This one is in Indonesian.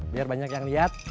biar banyak yang lihat